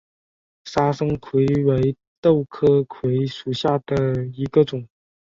砂生槐为豆科槐属下的一个种。